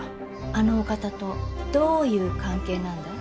あのお方とどういう関係なんだい？